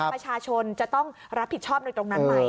ประชาชนจะต้องรับผิดชอบในตรงนั้นไหม